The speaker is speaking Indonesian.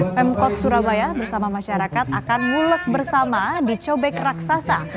pemkot surabaya bersama masyarakat akan mulek bersama di cobek raksasa